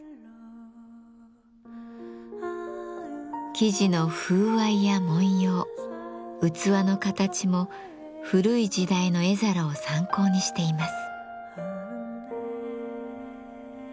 生地の風合いや文様器の形も古い時代の絵皿を参考にしています。